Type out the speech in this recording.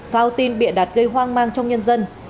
phao tin bịa đặt gây hoang mang trong nhân dân